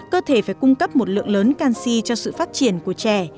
cơ thể phải cung cấp một lượng lớn canxi cho sự phát triển của trẻ